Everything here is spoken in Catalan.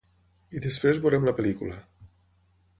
I després veurem la pel·lícula.